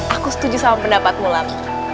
aku setuju sama pendapatmu lam